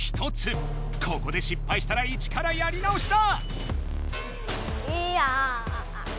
ここでしっぱいしたらイチからやり直しだ！